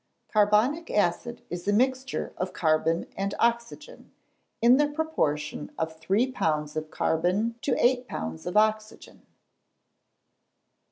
_ Carbonic acid is a mixture of carbon and oxygen, in the proportion of 3 lbs. of carbon to 8 lbs. of oxygen.